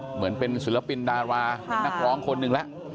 เหมือนเป็นศิลปินดาราเป็นนักร้องคนหนึ่งแล้ว